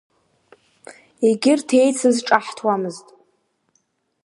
Егьырҭ еицыз ҿаҳҭуамызт.